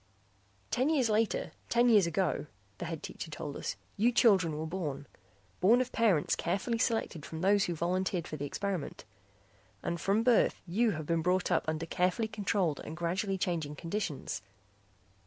"Ten years later, ten years ago," the Head Teacher told us, "you children were born. Born of parents carefully selected from those who volunteered for the experiment. And from birth you have been brought up under carefully controlled and gradually changing conditions.